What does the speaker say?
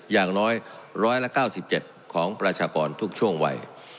อย่างน้อย๑๙๗ของประชากรทุกช่วงวัย